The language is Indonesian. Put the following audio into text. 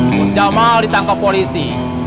si jamal ditangkap polisi